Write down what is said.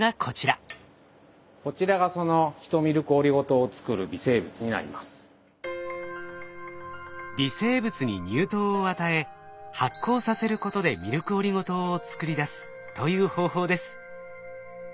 こちらが微生物に乳糖を与え発酵させることでミルクオリゴ糖を作り出すという方法です。